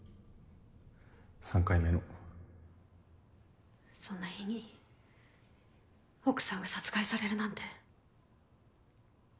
３回目のそんな日に奥さんが殺害されるなんて。